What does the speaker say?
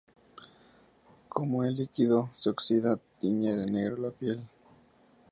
Cuando el líquido se oxida, tiñe de negro la piel.